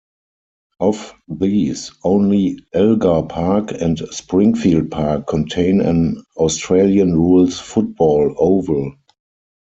Of these, only Elgar Park and Springfield Park contain an Australian rules football oval.